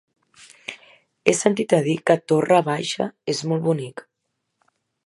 He sentit a dir que Torre Baixa és molt bonic.